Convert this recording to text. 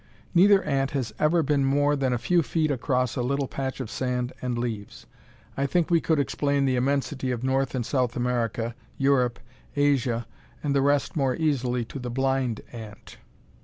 Neither ant has ever been more than a few feet across a little patch of sand and leaves. I think we could explain the immensity of North and South America, Europe, Asia and the rest more easily to the blind ant!